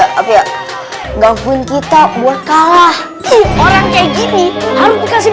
tapi ya gabung kita buat kalah orang kayak gini harus dikasih